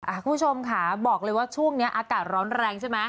คุณผู้ชมค่ะบอกเลยว่าช่วงนี้อากาศร้อนแรงใช่ไหม